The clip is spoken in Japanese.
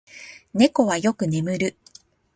猫はよく眠る。